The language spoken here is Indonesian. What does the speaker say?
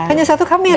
hanya satu kamera